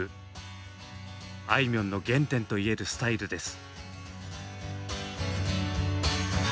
あいみょんの原点といえるスタイルです。